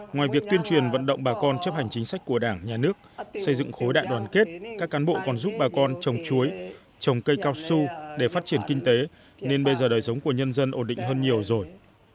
ngoài việc tuyên truyền vận động bà con chấp hành chính sách của đảng nhà nước xây dựng khối đại đoàn kết các cán bộ còn giúp bà con trồng chuối trồng cây cao su để phát triển kinh tế nên bây giờ đời sống của nhân dân ổn định hơn nhiều rồi